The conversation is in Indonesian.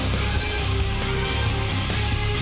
mas ini dia mas